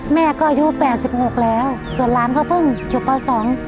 แม่ก็อายุ๘๖แล้วส่วนหลานเขาเพิ่งอยู่ประสงค์